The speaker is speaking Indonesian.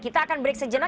kita akan break sejenak